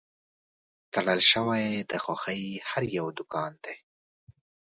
تړل شوی د خوښۍ هر یو دوکان دی